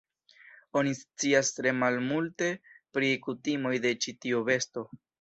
Oni scias tre malmulte pri kutimoj de ĉi tiu besto.